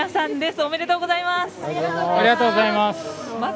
ありがとうございます！